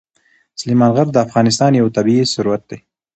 سلیمان غر د افغانستان یو طبعي ثروت دی.